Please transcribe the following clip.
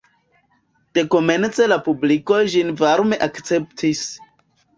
Dekomence la publiko ĝin varme akceptis.